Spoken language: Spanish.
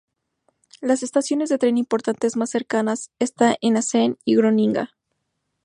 Las estaciones de tren importantes más cercanas están en Assen y Groninga.